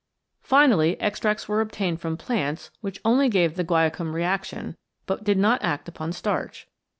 Finally extracts were obtained from plants which only gave the guaiacum reaction but did not act upon starch.